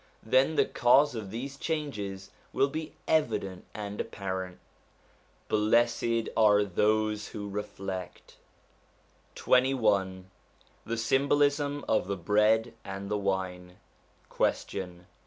Then the cause of these changes will be evident and apparent. Blessed are those who reflect ! XXI THE SYMBOLISM OF THE BREAD AND THE WINE Question.